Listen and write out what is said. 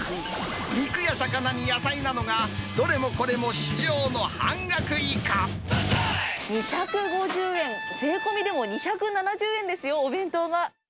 肉や魚に野菜などが、２５０円、税込みでも２７０円ですよ、お弁当が。